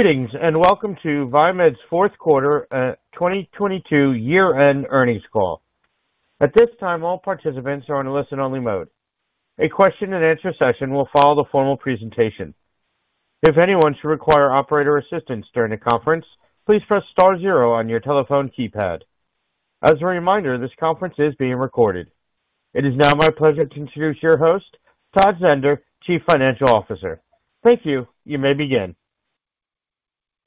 Greetings, and welcome to VieMed's Fourth Quarter, 2022 Year-End Earnings Call. At this time, all participants are on listen only mode. A question and answer session will follow the formal presentation. If anyone should require operator assistance during the conference, please press star zero on your telephone keypad. As a reminder, this conference is being recorded. It is now my pleasure to introduce your host, Todd Zehnder, Chief Financial Officer. Thank you. You may begin.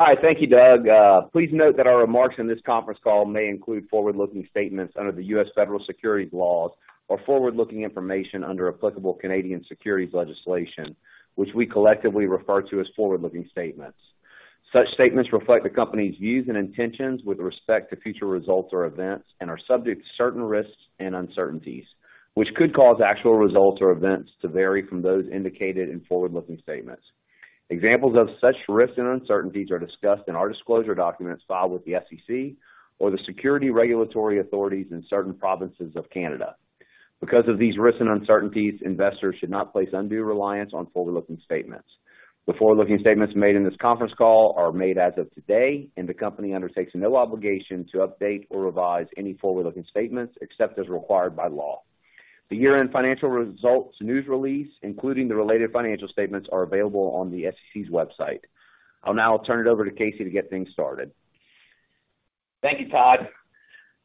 Hi. Thank you, Doug. Please note that our remarks in this conference call may include forward-looking statements under the U.S. Federal Securities laws or forward-looking information under applicable Canadian securities legislation, which we collectively refer to as forward-looking statements. Such statements reflect the company's views and intentions with respect to future results or events and are subject to certain risks and uncertainties, which could cause actual results or events to vary from those indicated in forward-looking statements. Examples of such risks and uncertainties are discussed in our disclosure documents filed with the SEC or the security regulatory authorities in certain provinces of Canada. Because of these risks and uncertainties, investors should not place undue reliance on forward-looking statements. The forward-looking statements made in this conference call are made as of today, and the company undertakes no obligation to update or revise any forward-looking statements except as required by law. The year-end financial results news release, including the related financial statements, are available on the SEC's website. I'll now turn it over to Casey to get things started. Thank you, Todd.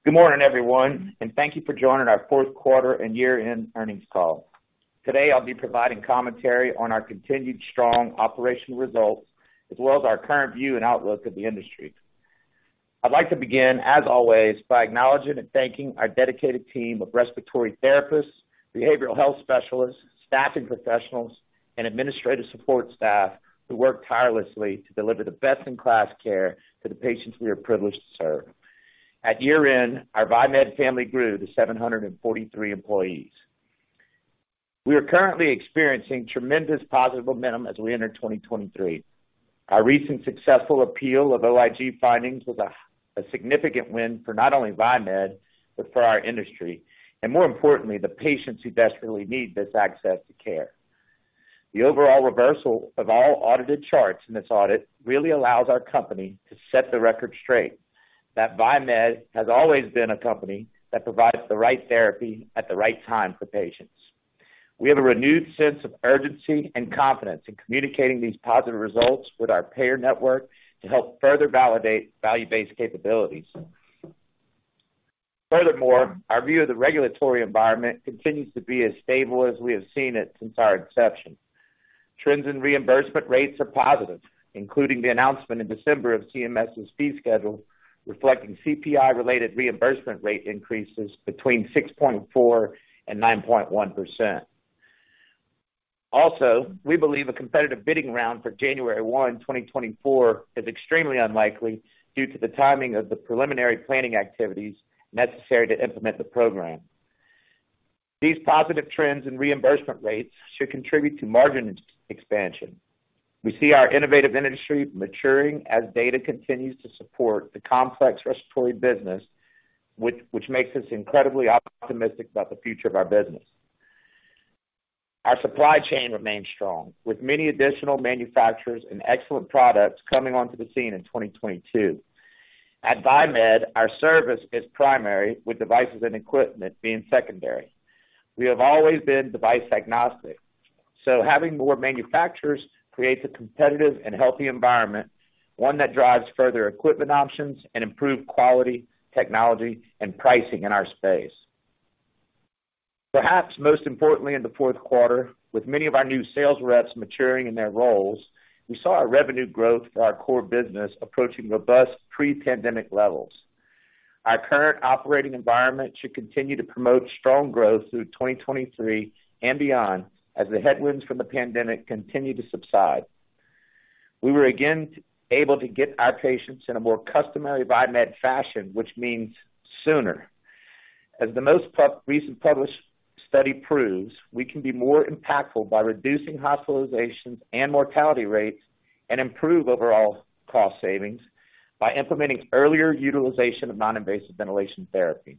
Good morning, everyone. Thank you for joining our fourth quarter and year-end earnings call. Today, I'll be providing commentary on our continued strong operational results as well as our current view and outlook of the industry. I'd like to begin, as always, by acknowledging and thanking our dedicated team of respiratory therapists, behavioral health specialists, staffing professionals, and administrative support staff who work tirelessly to deliver the best-in-class care to the patients we are privileged to serve. At year-end, our VieMed family grew to 743 employees. We are currently experiencing tremendous positive momentum as we enter 2023. Our recent successful appeal of OIG findings was a significant win for not only VieMed, but for our industry, and more importantly, the patients who desperately need this access to care. The overall reversal of all audited charts in this audit really allows our company to set the record straight, that VieMed has always been a company that provides the right therapy at the right time for patients. We have a renewed sense of urgency and confidence in communicating these positive results with our payer network to help further validate value-based capabilities. Our view of the regulatory environment continues to be as stable as we have seen it since our inception. Trends in reimbursement rates are positive, including the announcement in December of CMS's fee schedule, reflecting CPI-related reimbursement rate increases between 6.4% and 9.1%. We believe a competitive bidding round for January 1, 2024 is extremely unlikely due to the timing of the preliminary planning activities necessary to implement the program. These positive trends in reimbursement rates should contribute to margin expansion. We see our innovative industry maturing as data continues to support the complex respiratory business, which makes us incredibly optimistic about the future of our business. Our supply chain remains strong, with many additional manufacturers and excellent products coming onto the scene in 2022. At VieMed, our service is primary, with devices and equipment being secondary. We have always been device agnostic, so having more manufacturers creates a competitive and healthy environment, one that drives further equipment options and improved quality, technology, and pricing in our space. Perhaps most importantly in the fourth quarter, with many of our new sales reps maturing in their roles, we saw a revenue growth for our core business approaching robust pre-pandemic levels. Our current operating environment should continue to promote strong growth through 2023 and beyond as the headwinds from the pandemic continue to subside. We were again able to get our patients in a more customary VieMed fashion, which means sooner. As the most recent published study proves, we can be more impactful by reducing hospitalizations and mortality rates and improve overall cost savings by implementing earlier utilization of non-invasive ventilation therapy.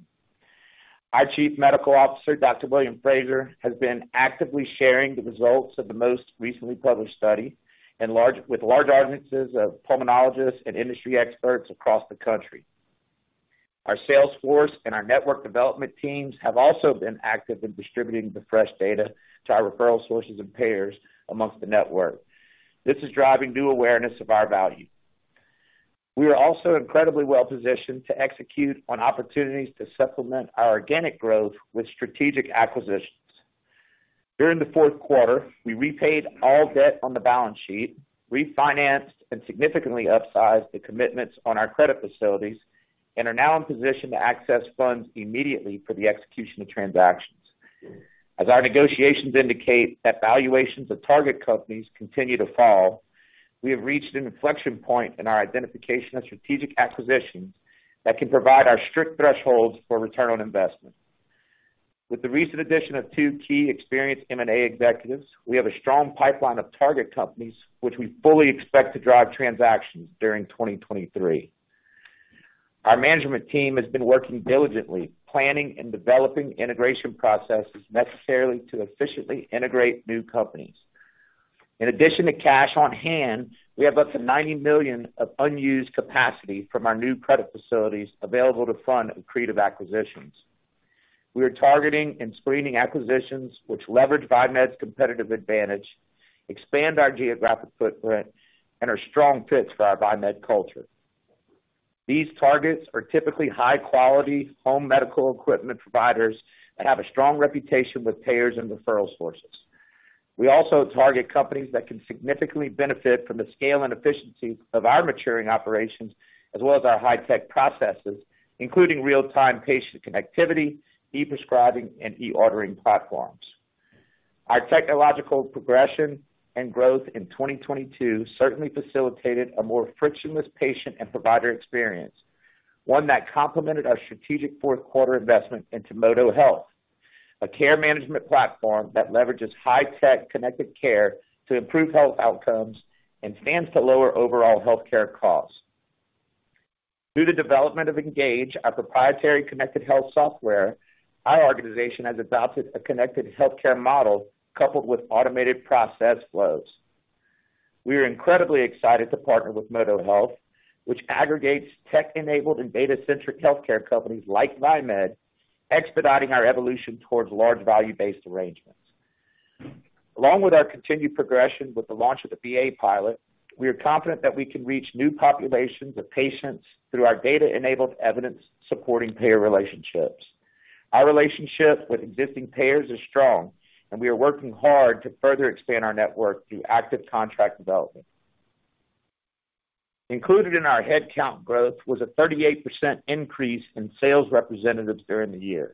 Our Chief Medical Officer, Dr. William Frazier, has been actively sharing the results of the most recently published study with large audiences of pulmonologists and industry experts across the country. Our sales force and our network development teams have also been active in distributing the fresh data to our referral sources and payers amongst the network. This is driving new awareness of our value. We are also incredibly well positioned to execute on opportunities to supplement our organic growth with strategic acquisitions. During the fourth quarter, we repaid all debt on the balance sheet, refinanced and significantly upsized the commitments on our credit facilities, are now in position to access funds immediately for the execution of transactions. As our negotiations indicate that valuations of target companies continue to fall, we have reached an inflection point in our identification of strategic acquisitions that can provide our strict thresholds for return on investment. With the recent addition of two key experienced M&A executives, we have a strong pipeline of target companies, which we fully expect to drive transactions during 2023. Our management team has been working diligently, planning and developing integration processes necessarily to efficiently integrate new companies. In addition to cash on hand, we have up to $90 million of unused capacity from our new credit facilities available to fund accretive acquisitions. We are targeting and screening acquisitions which leverage VieMed's competitive advantage, expand our geographic footprint, and are strong fits for our VieMed culture. These targets are typically high-quality home medical equipment providers that have a strong reputation with payers and referral sources. We also target companies that can significantly benefit from the scale and efficiency of our maturing operations, as well as our high-tech processes, including real-time patient connectivity, e-prescribing, and e-ordering platforms. Our technological progression and growth in 2022 certainly facilitated a more frictionless patient and provider experience, one that complemented our strategic fourth quarter investment into ModoHealth, a care management platform that leverages high-tech connected care to improve health outcomes and stands to lower overall healthcare costs. Due to development of Engage, our proprietary connected health software, our organization has adopted a connected healthcare model coupled with automated process flows. We are incredibly excited to partner with ModoHealth, which aggregates tech-enabled and data-centric healthcare companies like VieMed, expediting our evolution towards large value-based arrangements. Along with our continued progression with the launch of the VA pilot, we are confident that we can reach new populations of patients through our data-enabled evidence supporting payer relationships. Our relationship with existing payers is strong. We are working hard to further expand our network through active contract development. Included in our headcount growth was a 38% increase in sales representatives during the year.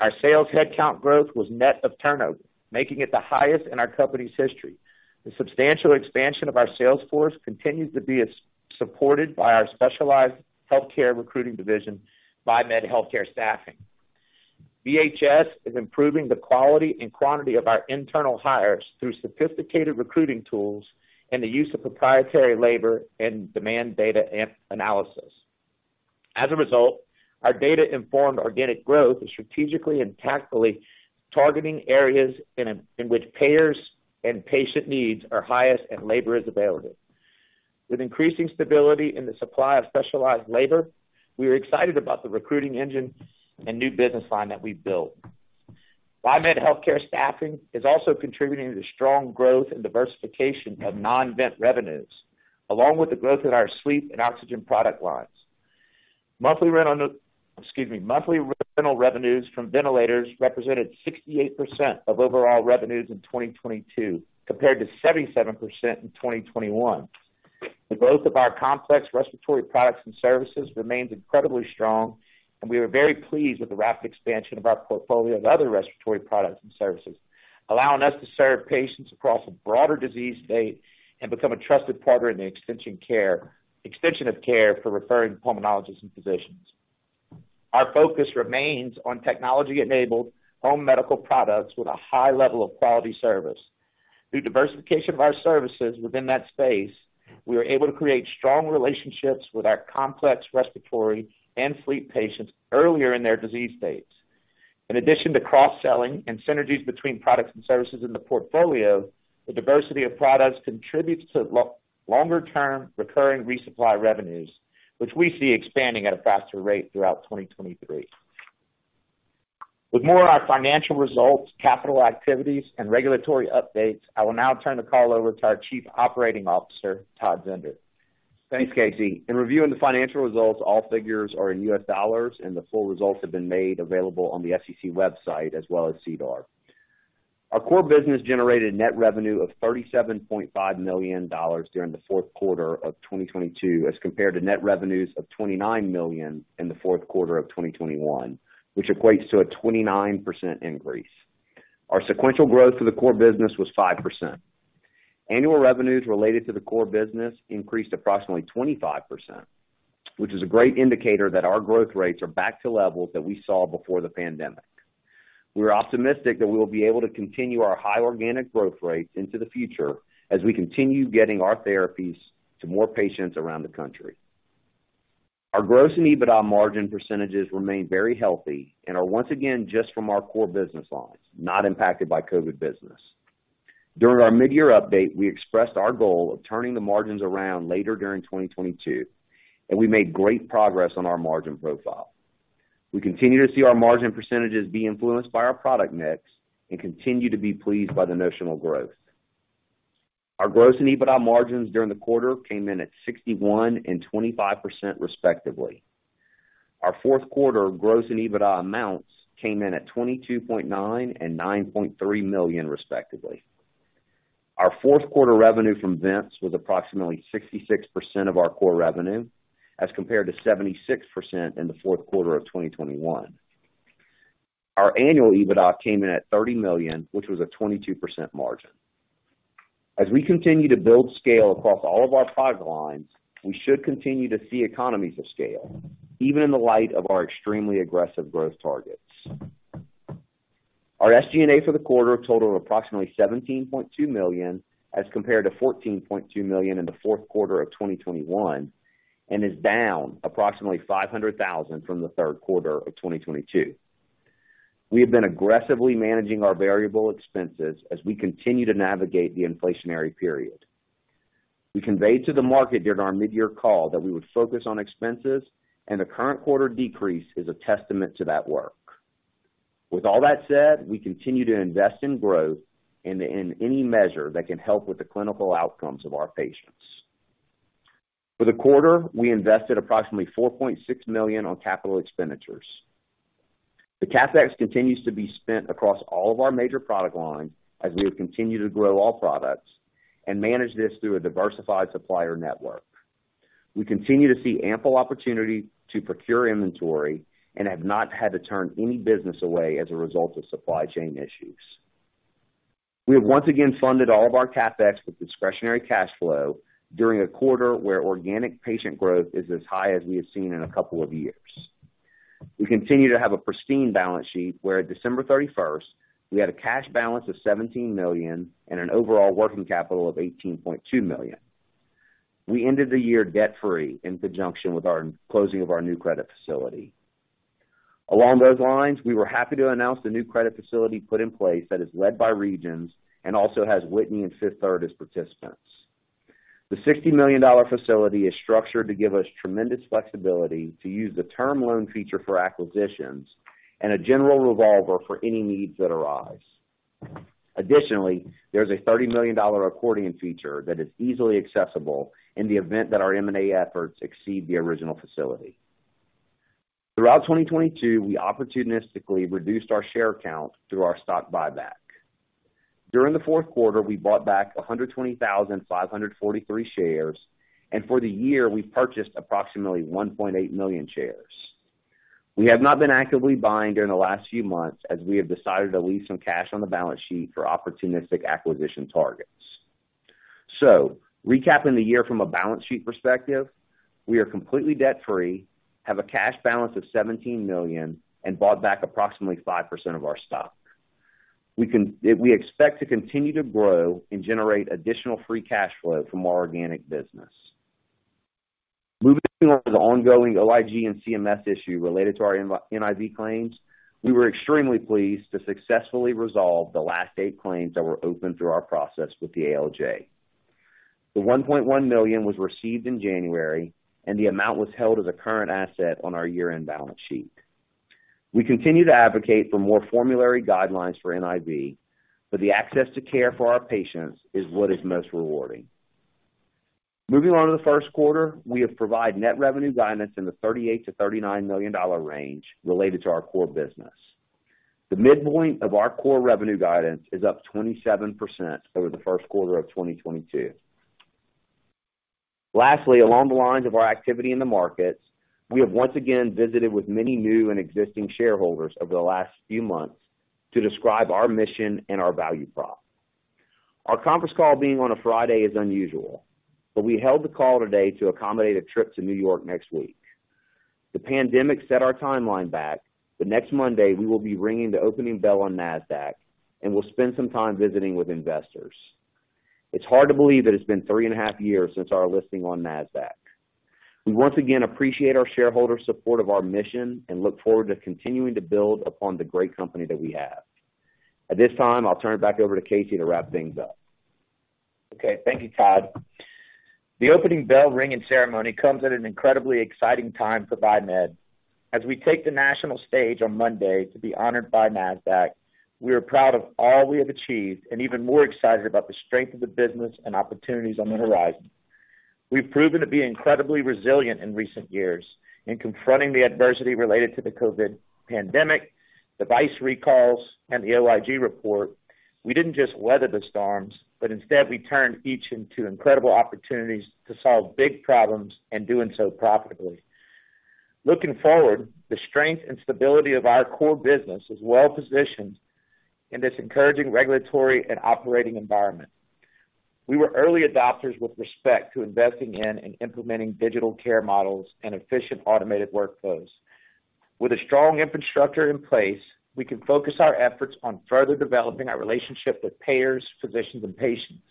Our sales headcount growth was net of turnover, making it the highest in our company's history. The substantial expansion of our sales force continues to be supported by our specialized healthcare recruiting division, VieMed Healthcare Staffing. VHS is improving the quality and quantity of our internal hires through sophisticated recruiting tools and the use of proprietary labor and demand data analysis. As a result, our data-informed organic growth is strategically and tactfully targeting areas in which payers and patient needs are highest and labor is available. With increasing stability in the supply of specialized labor, we are excited about the recruiting engine and new business line that we've built. VieMed Healthcare Staffing is also contributing to the strong growth and diversification of non-vent revenues, along with the growth in our sleep and oxygen product lines. Excuse me, monthly re-rental revenues from ventilators represented 68% of overall revenues in 2022, compared to 77% in 2021. The growth of our complex respiratory products and services remains incredibly strong, and we are very pleased with the rapid expansion of our portfolio of other respiratory products and services, allowing us to serve patients across a broader disease state and become a trusted partner in the extension care, extension of care for referring pulmonologists and physicians. Our focus remains on technology-enabled home medical products with a high level of quality service. Through diversification of our services within that space, we are able to create strong relationships with our complex respiratory and fleet patients earlier in their disease states. In addition to cross-selling and synergies between products and services in the portfolio, the diversity of products contributes to longer term recurring resupply revenues, which we see expanding at a faster rate throughout 2023. With more on our financial results, capital activities, and regulatory updates, I will now turn the call over to our Chief Operating Officer, Todd Zehnder. Thanks, Casey. In reviewing the financial results, all figures are in U.S. dollars and the full results have been made available on the SEC website as well as SEDAR. Our core business generated net revenue of $37.5 million during the fourth quarter of 2022, as compared to net revenues of $29 million in the fourth quarter of 2021, which equates to a 29% increase. Our sequential growth for the core business was 5%. Annual revenues related to the core business increased approximately 25%, which is a great indicator that our growth rates are back to levels that we saw before the pandemic. We're optimistic that we will be able to continue our high organic growth rates into the future as we continue getting our therapies to more patients around the country. Our gross and EBITDA margin percentages remain very healthy and are once again just from our core business lines, not impacted by COVID business. During our mid-year update, we expressed our goal of turning the margins around later during 2022, and we made great progress on our margin profile. We continue to see our margin percentages be influenced by our product mix and continue to be pleased by the notional growth. Our gross and EBITDA margins during the quarter came in at 61 and 25%, respectively. Our fourth quarter gross and EBITDA amounts came in at $22.9 million and $9.3 million, respectively. Our fourth quarter revenue from vents was approximately 66% of our core revenue, as compared to 76% in the fourth quarter of 2021. Our annual EBITDA came in at $30 million, which was a 22% margin. As we continue to build scale across all of our product lines, we should continue to see economies of scale, even in the light of our extremely aggressive growth targets. Our SG&A for the quarter totaled approximately $17.2 million, as compared to $14.2 million in the fourth quarter of 2021, and is down approximately $500,000 from the third quarter of 2022. We have been aggressively managing our variable expenses as we continue to navigate the inflationary period. We conveyed to the market during our mid-year call that we would focus on expenses, and the current quarter decrease is a testament to that work. With all that said, we continue to invest in growth and in any measure that can help with the clinical outcomes of our patients. For the quarter, we invested approximately $4.6 million on capital expenditures. The CapEx continues to be spent across all of our major product lines as we have continued to grow all products and manage this through a diversified supplier network. We continue to see ample opportunity to procure inventory and have not had to turn any business away as a result of supply chain issues. We have once again funded all of our CapEx with discretionary cash flow during a quarter where organic patient growth is as high as we have seen in a couple of years. We continue to have a pristine balance sheet, where at December 31st, we had a cash balance of $17 million and an overall working capital of $18.2 million. We ended the year debt-free in conjunction with our closing of our new credit facility. Along those lines, we were happy to announce the new credit facility put in place that is led by Regions and also has Whitney and Fifth as participants. The $60 million facility is structured to give us tremendous flexibility to use the term loan feature for acquisitions and a general revolver for any needs that arise. Additionally, there's a $30 million accordion feature that is easily accessible in the event that our M&A efforts exceed the original facility. Throughout 2022, we opportunistically reduced our share count through our stock buyback. During the fourth quarter, we bought back 120,543 shares, and for the year, we purchased approximately 1.8 million shares. We have not been actively buying during the last few months as we have decided to leave some cash on the balance sheet for opportunistic acquisition targets. Recapping the year from a balance sheet perspective, we are completely debt free, have a cash balance of $17 million and bought back approximately 5% of our stock. We expect to continue to grow and generate additional free cash flow from our organic business. Moving on to the ongoing OIG and CMS issue related to our NIV claims. We were extremely pleased to successfully resolve the last eight claims that were open through our process with the ALJ. The $1.1 million was received in January, and the amount was held as a current asset on our year-end balance sheet. We continue to advocate for more formulary guidelines for NIV, but the access to care for our patients is what is most rewarding. Moving on to the first quarter, we have provided net revenue guidance in the $38 million-$39 million range related to our core business. The midpoint of our core revenue guidance is up 27% over the first quarter of 2022. Along the lines of our activity in the markets, we have once again visited with many new and existing shareholders over the last few months to describe our mission and our value prop. Our conference call being on a Friday is unusual, but we held the call today to accommodate a trip to New York next week. The pandemic set our timeline back, but next Monday, we will be ringing the opening bell on Nasdaq and will spend some time visiting with investors. It's hard to believe that it's been three and the half years since our listing on Nasdaq. We once again appreciate our shareholders' support of our mission and look forward to continuing to build upon the great company that we have. At this time, I'll turn it back over to Casey to wrap things up. Okay, thank you, Todd. The opening bell ringing ceremony comes at an incredibly exciting time for VieMed. As we take the national stage on Monday to be honored by Nasdaq, we are proud of all we have achieved and even more excited about the strength of the business and opportunities on the horizon. We've proven to be incredibly resilient in recent years in confronting the adversity related to the COVID pandemic, device recalls, and the OIG report. We didn't just weather the storms, but instead we turned each into incredible opportunities to solve big problems and doing so profitably. Looking forward, the strength and stability of our core business is well positioned in this encouraging regulatory and operating environment. We were early adopters with respect to investing in and implementing digital care models and efficient automated workflows. With a strong infrastructure in place, we can focus our efforts on further developing our relationship with payers, physicians, and patients.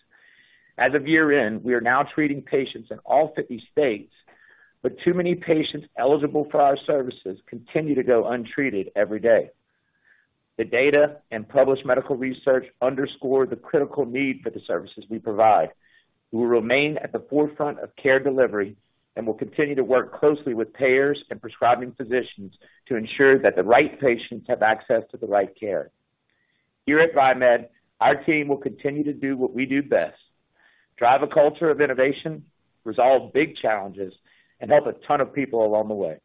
As of year-end, we are now treating patients in all 50 states, but too many patients eligible for our services continue to go untreated every day. The data and published medical research underscore the critical need for the services we provide. We will remain at the forefront of care delivery and will continue to work closely with payers and prescribing physicians to ensure that the right patients have access to the right care. Here at VieMed, our team will continue to do what we do best, drive a culture of innovation, resolve big challenges, and help a ton of people along the way.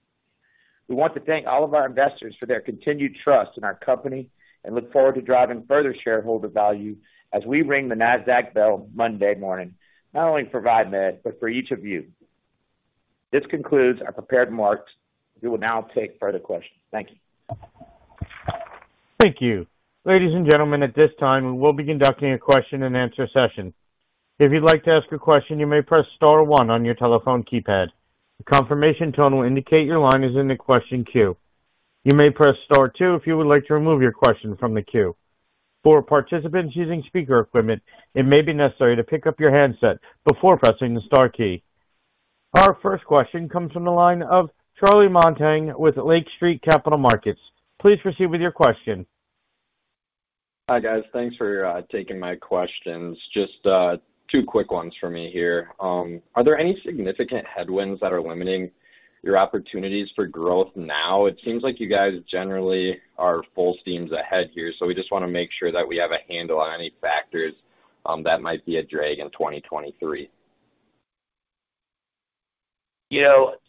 We want to thank all of our investors for their continued trust in our company and look forward to driving further shareholder value as we ring the Nasdaq bell Monday morning, not only for VieMed, but for each of you. This concludes our prepared remarks. We will now take further questions. Thank you. Thank you. Ladies and gentlemen, at this time, we will be conducting a question-and-answer session. If you'd like to ask a question, you may press star one on your telephone keypad. A confirmation tone will indicate your line is in the question queue. You may press star two if you would like to remove your question from the queue. For participants using speaker equipment, it may be necessary to pick up your handset before pressing the star key. Our first question comes from the line of Charlie Montang with Lake Street Capital Markets. Please proceed with your question. Hi, guys. Thanks for taking my questions. Just two quick ones for me here. Are there any significant headwinds that are limiting your opportunities for growth now? It seems like you guys generally are full steams ahead here. We just wanna make sure that we have a handle on any factors that might be a drag in 2023.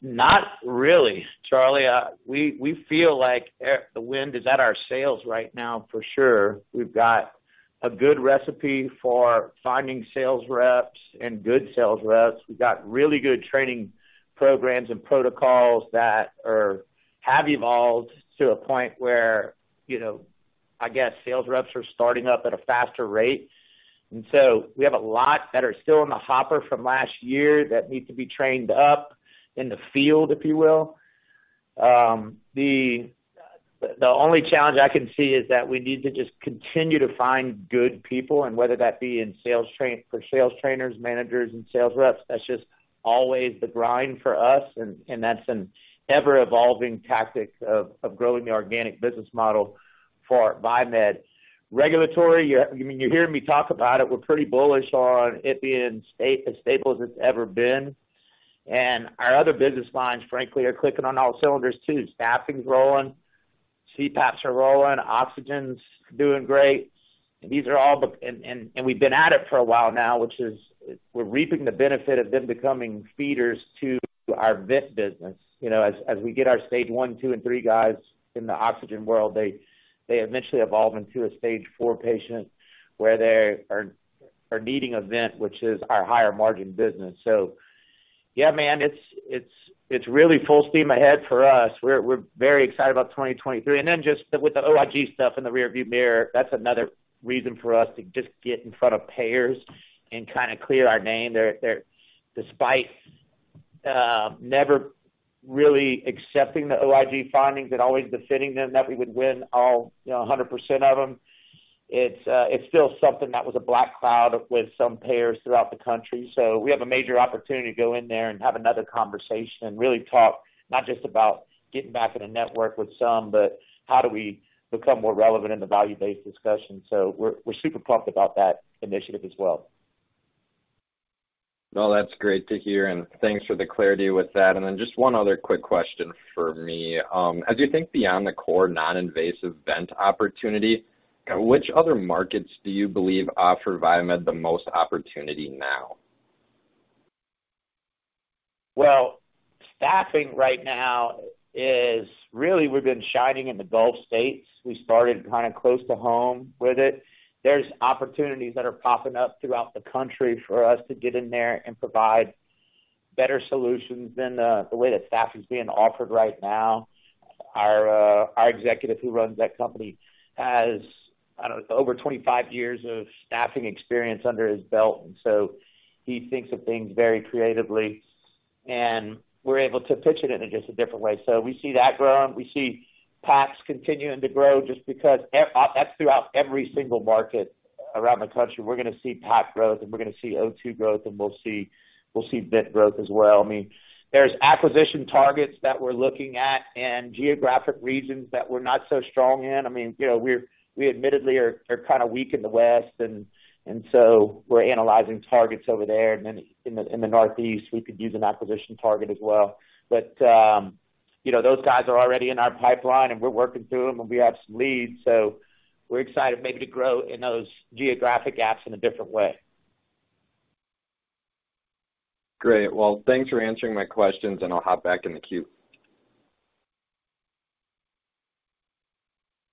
Not really, Charlie. We feel like the wind is at our sails right now for sure. We've got a good recipe for finding sales reps and good sales reps. We've got really good training programs and protocols that have evolved to a point where I guess, sales reps are starting up at a faster rate. So we have a lot that are still in the hopper from last year that need to be trained up in the field, if you will. The only challenge I can see is that we need to just continue to find good people, and whether that be for sales trainers, managers, and sales reps, that's just always the grind for us, and that's an ever-evolving tactic of growing the organic business model for VieMed. Regulatory, you, I mean, you hear me talk about it. We're pretty bullish on it being as stable as it's ever been. Our other business lines, frankly, are clicking on all cylinders too. Staffing's rolling, CPAPs are rolling, oxygen's doing great. We've been at it for a while now, which is we're reaping the benefit of them becoming feeders to our vent business. As we get our stage one, two, and three guys in the oxygen world, they eventually evolve into a stage IV patient, where they are needing a vent, which is our higher margin business. Yeah, man, it's really full steam ahead for us. We're very excited about 2023. Just with the OIG stuff in the rearview mirror, that's another reason for us to just get in front of payers and kind of clear our name. They're despite never really accepting the OIG findings and always defending them, that we would win all 100% of them, it's still something that was a black cloud with some payers throughout the country. We have a major opportunity to go in there and have another conversation and really talk, not just about getting back in the network with some, but how do we become more relevant in the value-based discussion. We're super pumped about that initiative as well. No, that's great to hear, and thanks for the clarity with that. Then just one other quick question from me. As you think beyond the core non-invasive vent opportunity, which other markets do you believe offer VieMed the most opportunity now? Well, staffing right now is. Really, we've been shining in the Gulf states. We started kind of close to home with it. There's opportunities that are popping up throughout the country for us to get in there and provide better solutions than the way that staffing is being offered right now. Our executive who runs that company has, I don't know, over 25 years of staffing experience under his belt. He thinks of things very creatively, and we're able to pitch it in a just a different way. We see that growing. We see PAPs continuing to grow just because that's throughout every single market around the country. We're gonna see PAP growth, and we're gonna see O2 growth, and we'll see vent growth as well. I mean, there's acquisition targets that we're looking at and geographic regions that we're not so strong in. I mean we admittedly are kind of weak in the West and, we're analyzing targets over there. In the Northeast, we could use an acquisition target as well. Those guys are already in our pipeline, and we're working through them, and we have some leads. We're excited maybe to grow in those geographic gaps in a different way. Great. Well, thanks for answering my questions, and I'll hop back in the queue.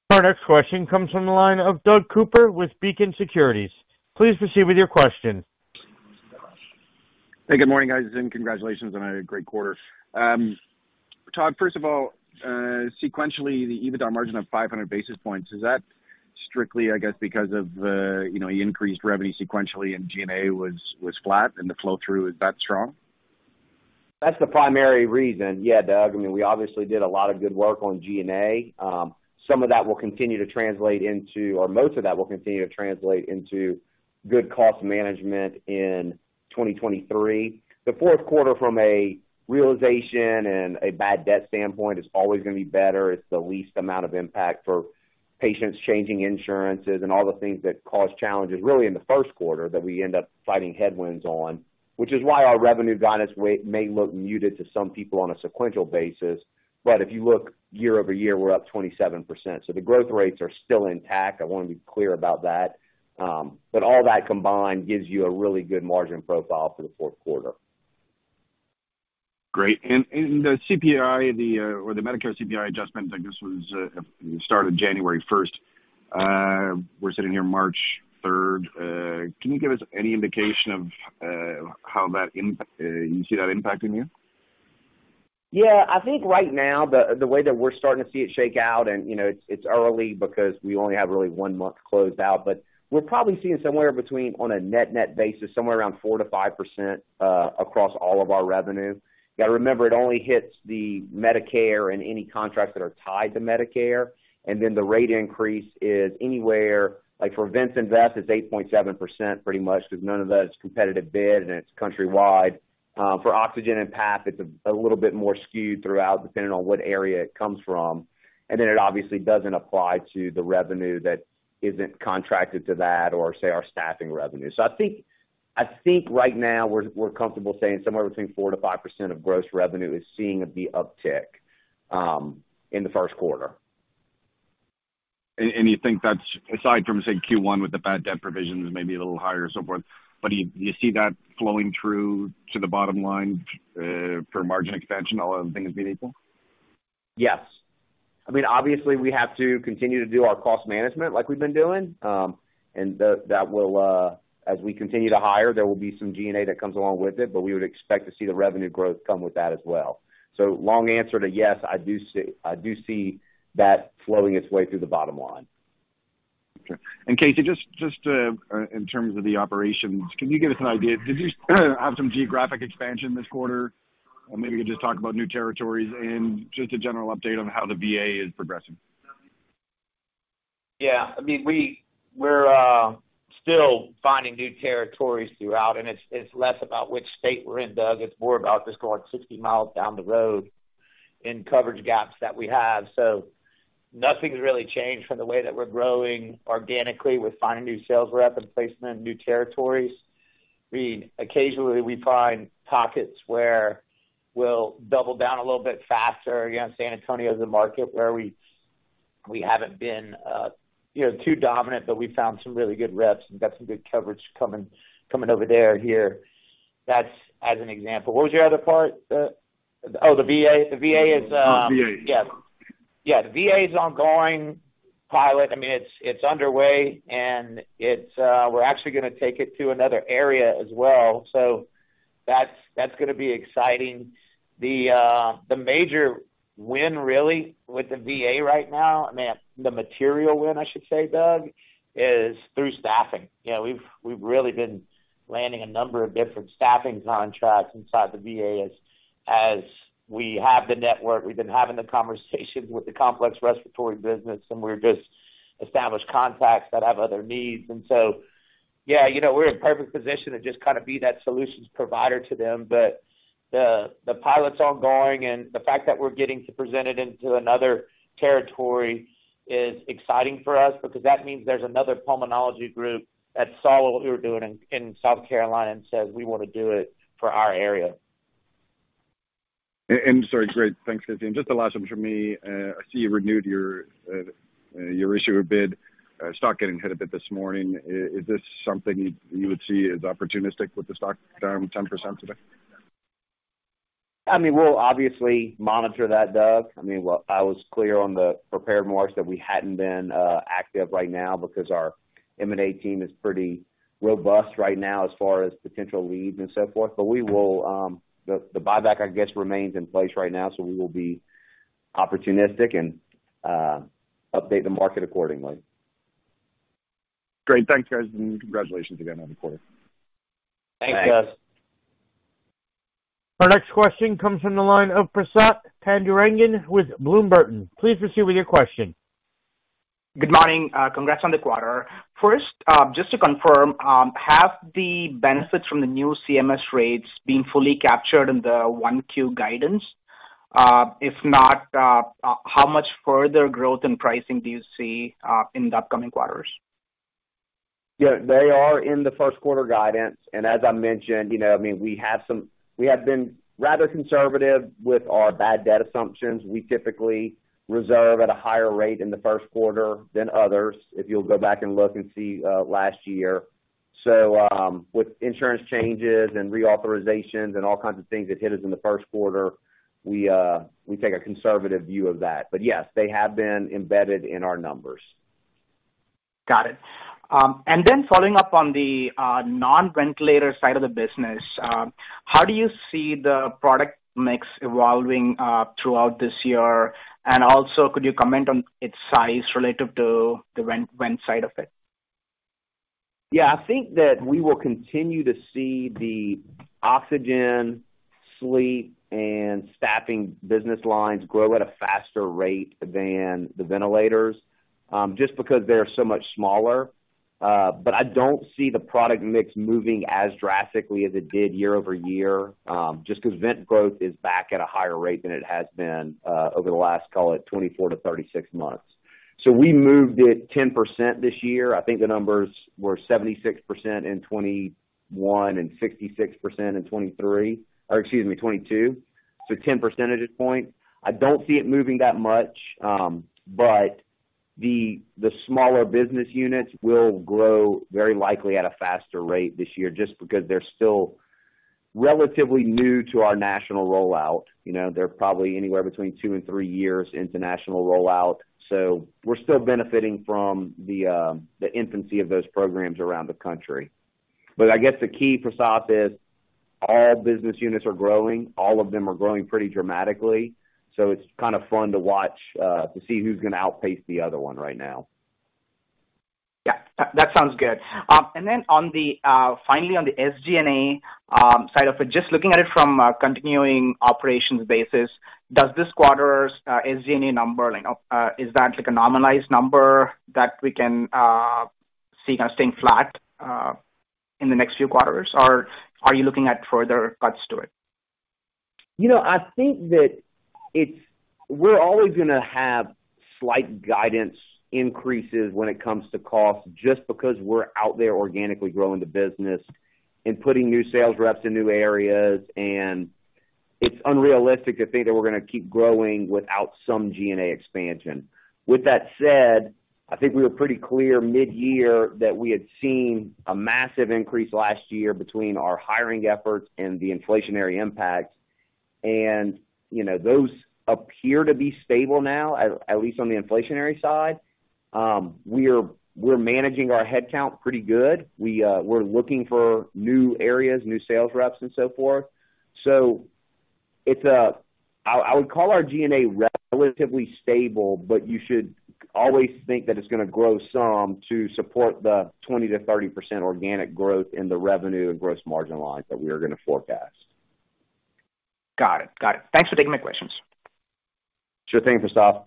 Our next question comes from the line of Doug Cooper with Beacon Securities. Please proceed with your question. Hey, good morning, guys, and congratulations on a great quarter. Todd, first of all, sequentially, the EBITDA margin of 500 basis points, is that strictly, I guess, because of the increased revenue sequentially and G&A was flat and the flow through is that strong? That's the primary reason. Yeah, Doug. I mean, we obviously did a lot of good work on G&A. Some of that will continue to translate into or most of that will continue to translate into good cost management in 2023. The fourth quarter from a realization and a bad debt standpoint is always gonna be better. It's the least amount of impact for patients changing insurances and all the things that cause challenges really in the first quarter that we end up fighting headwinds on, which is why our revenue guidance may look muted to some people on a sequential basis. If you look year-over-year, we're up 27%. The growth rates are still intact. I wanna be clear about that. All that combined gives you a really good margin profile for the fourth quarter. Great. The CPI, or the Medicare CPI adjustment, I guess was started January first. We're sitting here March third. Can you give us any indication of how that you see that impacting you? Yeah, I think right now, the way that we're starting to see it shake out and it's early because we only have really one month closed out, but we're probably seeing somewhere between, on a net-net basis, somewhere around 4%-5% across all of our revenue. You got to remember it only hits the Medicare and any contracts that are tied to Medicare. The rate increase is anywhere, like for vents and vaps, it's 8.7% pretty much because none of that is competitive bid and it's countrywide. For oxygen and PAP, it's a little bit more skewed throughout depending on what area it comes from. It obviously doesn't apply to the revenue that isn't contracted to that or say, our staffing revenue. I think right now we're comfortable saying somewhere between 4%-5% of gross revenue is seeing the uptick in the first quarter. You think that's, aside from, say, Q1 with the bad debt provisions, maybe a little higher or so forth, but do you see that flowing through to the bottom line for margin expansion, all other things being equal? Yes. I mean, obviously, we have to continue to do our cost management like we've been doing. That will, as we continue to hire, there will be some G&A that comes along with it, but we would expect to see the revenue growth come with that as well. Long answer to yes, I do see that flowing its way through the bottom line. Okay. Casey, just to in terms of the operations, can you give us an idea, did you have some geographic expansion this quarter? Or maybe you could just talk about new territories and just a general update on how the VA is progressing. Yeah. I mean, we're still finding new territories throughout, and it's less about which state we're in, Doug, it's more about just going 60 miles down the road in coverage gaps that we have. Nothing's really changed from the way that we're growing organically with finding new sales rep and placement in new territories. Occasionally, we find pockets where we'll double down a little bit faster. San Antonio is a market where we haven't been too dominant, but we found some really good reps and got some good coverage coming over there here. That's as an example. What was your other part, Doug? Oh, the VA. The VA is, The VA. Yeah. Yeah, the VA is ongoing pilot. I mean, it's underway and it's, we're actually gonna take it to another area as well. That's gonna be exciting. The major win really with the VA right now, I mean, the material win, I should say, Doug, is through staffing. We've really been landing a number of different staffing contracts inside the VA as we have the network. We've been having the conversations with the complex respiratory business, we've just established contacts that have other needs. Yeah, we're in perfect position to just kind of be that solutions provider to them. The, the pilot's ongoing and the fact that we're getting to present it into another territory is exciting for us because that means there's another pulmonology group that saw what we were doing in South Carolina and says, "We wanna do it for our area. Sorry, great. Thanks, Casey. Just the last one from me. I see you renewed your issuer bid, stock getting hit a bit this morning. Is this something you would see as opportunistic with the stock down 10% today? I mean, we'll obviously monitor that, Doug. I mean, I was clear on the prepared remarks that we hadn't been active right now because our M&A team is pretty robust right now as far as potential leads and so forth. We will, the buyback, I guess, remains in place right now. We will be opportunistic and update the market accordingly. Great. Thanks, guys. Congratulations again on the quarter. Thanks, Doug. Our next question comes from the line of Prasath Pandurangan with Bloomberg. Please proceed with your question. Good morning. Congrats on the quarter. First, just to confirm, have the benefits from the new CMS rates been fully captured in the 1Q guidance? If not, how much further growth and pricing do you see in the upcoming quarters? Yeah, they are in the first quarter guidance. As I mentioned, I mean, we have been rather conservative with our bad debt assumptions. We typically reserve at a higher rate in the first quarter than others, if you'll go back and look and see last year. With insurance changes and reauthorizations and all kinds of things that hit us in the first quarter, we take a conservative view of that. Yes, they have been embedded in our numbers. Got it. Following up on the non-ventilator side of the business, how do you see the product mix evolving throughout this year? Could you comment on its size relative to the vent side of it? Yeah. I think that we will continue to see the oxygen, sleep, and staffing business lines grow at a faster rate than the ventilators, just because they're so much smaller. I don't see the product mix moving as drastically as it did year-over-year, just because vent growth is back at a higher rate than it has been, over the last, call it, 24-36 months. We moved it 10% this year. I think the numbers were 76% in 2021 and 66% in 2023, or excuse me, 2022. 10 percentage point. I don't see it moving that much. The, the smaller business units will grow very likely at a faster rate this year just because they're still relatively new to our national rollout. Tthey're probably anywhere between two and three years into national rollout. We're still benefiting from the infancy of those programs around the country. I guess the key, Prasath, is all business units are growing. All of them are growing pretty dramatically. It's kind of fun to watch to see who's gonna outpace the other one right now. Yeah, that sounds good. Finally, on the SG&A side of it, just looking at it from a continuing operations basis, does this quarter's SG&A number, like, is that like a nominalized number that we can see kind of staying flat in the next few quarters? Or are you looking at further cuts to it? I think that we're always gonna have slight guidance increases when it comes to cost just because we're out there organically growing the business and putting new sales reps in new areas, and it's unrealistic to think that we're gonna keep growing without some G&A expansion. With that said, I think we were pretty clear mid-year that we had seen a massive increase last year between our hiring efforts and the inflationary impact. Those appear to be stable now, at least on the inflationary side. We're managing our headcount pretty good. We're looking for new areas, new sales reps and so forth. I would call our G&A relatively stable, but you should always think that it's gonna grow some to support the 20%-30% organic growth in the revenue and gross margin lines that we are gonna forecast. Got it. Got it. Thanks for taking my questions. Sure thing, Prasad.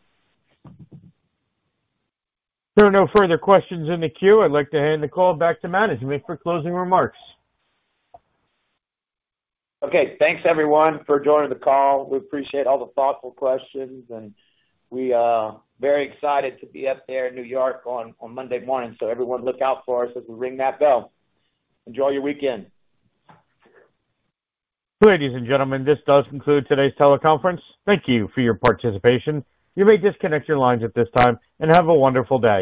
There are no further questions in the queue. I'd like to hand the call back to management for closing remarks. Thanks everyone for joining the call. We appreciate all the thoughtful questions. We are very excited to be up there in New York on Monday morning. Everyone look out for us as we ring that bell. Enjoy your weekend. Ladies and gentlemen, this does conclude today's teleconference. Thank you for your participation. You may disconnect your lines at this time, and have a wonderful day.